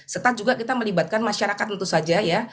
serta juga kita melibatkan masyarakat tentu saja ya